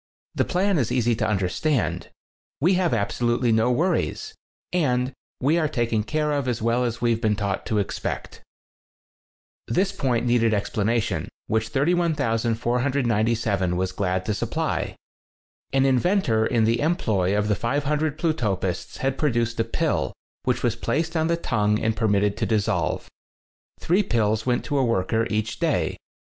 The plan is easy to understand. We have absolutely no worries, and we are taken care of as well as we've been taught to expect." This point needed explanation, which 31497 was glad to supply. An inventor in the employ of the 500 Plutopists had produced a pill, which was placed on the tongue and per mitted to dissolve. Three pills went to a worker each day.